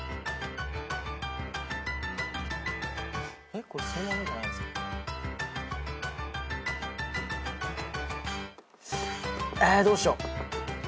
えどうしよう。